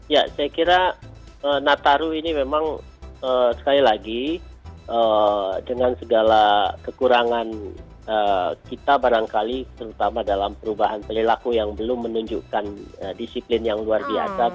ya saya kira nataru ini memang sekali lagi dengan segala kekurangan kita barangkali terutama dalam perubahan perilaku yang belum menunjukkan disiplin yang luar biasa